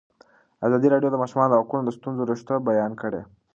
ازادي راډیو د د ماشومانو حقونه د ستونزو رېښه بیان کړې.